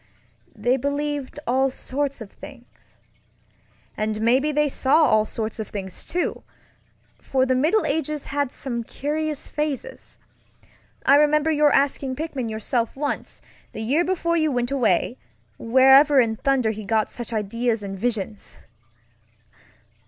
They believed all sorts of thingsŌĆöand maybe they saw all sorts of things, too, for the Middle Ages had some curious phases. I remember your asking Pickman yourself once, the year before you went away, wherever in thunder he got such ideas and visions.